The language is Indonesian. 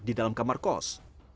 di dalam kamar kos